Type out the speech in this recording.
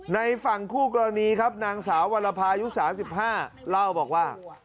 ในฝั่งคู่กรณีครับนางสาววรภายุ๓๕เล่าบอกว่า